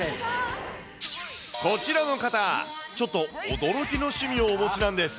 こちらの方、ちょっと驚きの趣味をお持ちなんです。